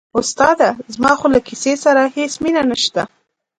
استاده زما خو له کیسې سره هېڅ مینه نشته.